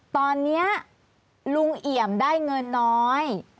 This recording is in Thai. ตอนนี้ลุงเอี่ยมได้เงินน้อย